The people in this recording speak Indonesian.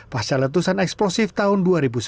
pasca letusan eksplosif tahun dua ribu sepuluh